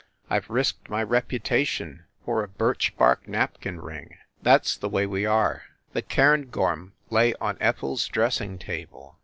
I ve risked my reputation for a birch bark napkin ring! That s the way we are. The cairngorm lay on Ethel s dressing table.